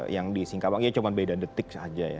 yang di singkawang ya cuma beda detik saja ya